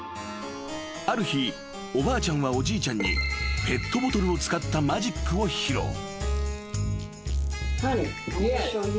［ある日おばあちゃんはおじいちゃんにペットボトルを使ったマジックを披露］